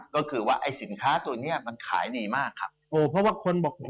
ก็คือว่าสินค้าตัวนี้มันขายดีมาก